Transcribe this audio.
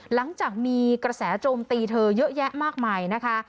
หลังจากมีกระแสโจมตีเธอเยอะแยะมากมายนะคะ